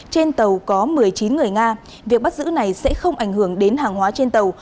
trên tàu có một mươi chín người nga việc bắt giữ này sẽ không ảnh hưởng đến hàng hóa trên tàu